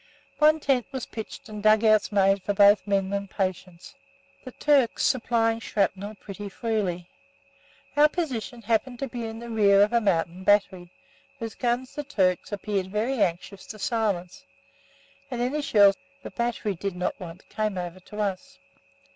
One tent was pitched and dug outs made for both men and patients, the Turks supplying shrapnel pretty freely. Our position happened to be in rear of a mountain battery, whose guns the Turks appeared very anxious to silence, and any shells the battery did not want came over to us.